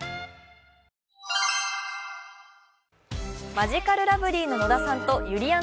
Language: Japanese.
マヂカルラブリーの野田さんとゆりやん